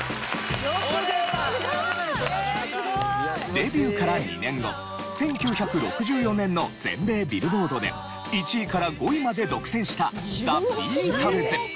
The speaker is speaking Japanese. デビューから２年後１９６４年の全米ビルボードで１位から５位まで独占したＴｈｅＢｅａｔｌｅｓ。